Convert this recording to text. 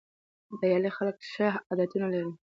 بریالي خلک ښه عادتونه لري.